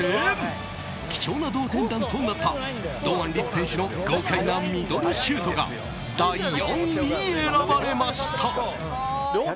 貴重な同点弾となった堂安律選手の豪快なミドルシュートが第４位に選ばれました。